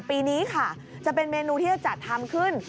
ปีนี้ค่ะจะเป็นเมนูที่จะจัดทำขึ้น